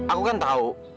aku kan tau